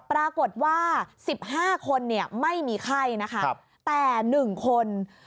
ปรากฏว่า๑๕คนไม่มีไข้นะคะแต่๑คน